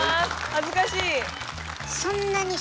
恥ずかしい。